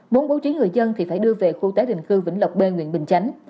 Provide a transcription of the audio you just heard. muốn bố trí người dân thì phải đưa về khu tái định cư vĩnh lộc b huyện bình chánh